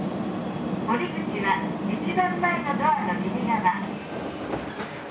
お出口は一番前のドアの右側。